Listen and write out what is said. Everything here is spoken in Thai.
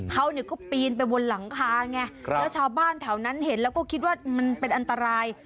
เขาก็ปีนไปบนหลังคาไงแล้วชาวบ้านแถวนั้นเห็นแล้วก็คิดว่ามันเป็นอันตราย